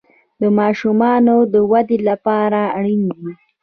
د ماشومانو د ودې لپاره اړین دي.